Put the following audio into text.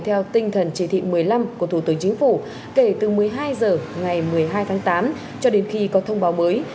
theo tinh thần chỉ thị một mươi năm của thủ tướng chính phủ kể từ một mươi hai h ngày một mươi hai tháng tám cho đến khi có thông báo mới